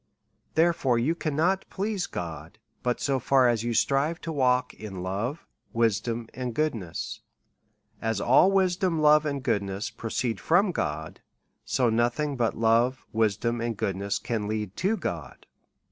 Therefore, you cannot please God, but so far as you strive to walk in love, wisdom, and goodness. As all wisdom, love, and goodness proceed from God, so nothing but love, wisdom, and goodness, can lead to God.